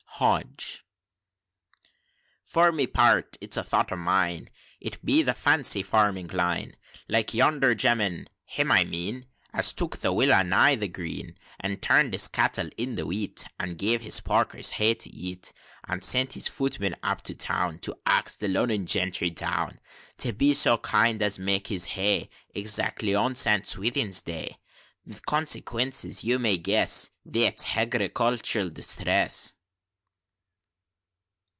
HODGE. "For my peart, it's a thought o' mine, It be the fancy farming line, Like yonder gemman, him I mean, As took the Willa nigh the Green, And turn'd his cattle in the wheat; And gave his porkers hay to eat; And sent his footman up to town, To ax the Lonnon gentry down, To be so kind as make his hay, Exactly on St. Swithin's day; With consequences you may guess That's Hagricultural Distress."